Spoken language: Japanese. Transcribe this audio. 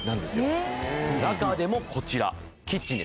中でもこちら。